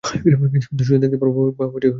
কিন্তু সোজা দেখতে বা ভাবতে পারিনি।